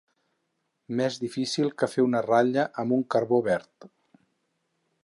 Més difícil que fer una ratlla amb un carbó verd.